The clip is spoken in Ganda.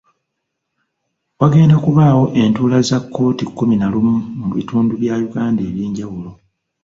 Wagenda kubaawo entuula za kkooti kkumi na lumu mu bitundu bya Uganda eby'enjawulo.